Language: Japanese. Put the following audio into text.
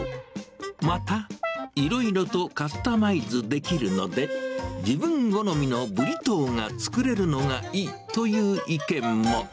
また、いろいろとカスタマイズできるので、自分好みのブリトーが作れるのがいいという意見も。